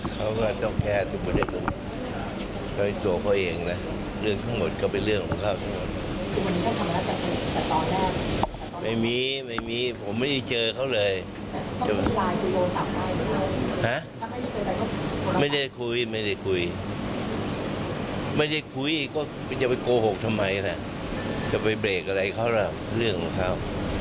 ก็จะไปโกหกทำไมจะไปเบรกอะไรเขาล่ะเรื่องของเขา